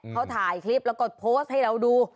เขาถ่ายคลิปแล้วก็โพสต์ให้เราดู